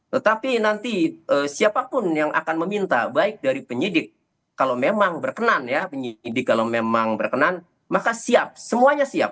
tetapi nanti siapapun yang akan meminta baik dari penyidik kalau memang berkenan ya penyidik kalau memang berkenan maka siap semuanya siap